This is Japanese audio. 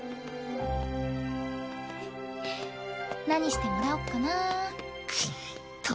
何してもらおっかなぁ。